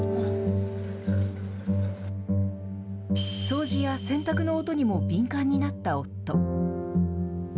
掃除や洗濯の音にも敏感になった夫。